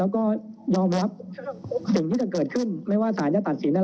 แล้วก็ยอมรับสิ่งที่จะเกิดขึ้นไม่ว่าสารจะตัดสินอะไร